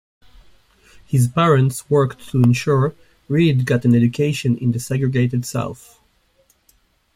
His parents worked to ensure Reed got an education in the segregated South.